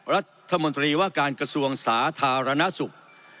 รัฐมนตรีว่าการกระทรวงสาธารณสุข